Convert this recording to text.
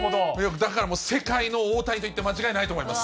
だからもう世界の大谷と言って間違いないと思います。